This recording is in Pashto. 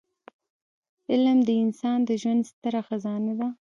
علمد انسان د ژوند ستره خزانه ده.